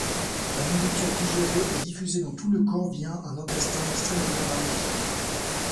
La nourriture digérée est diffusée dans tout le corps via un intestin extrêmement ramifié.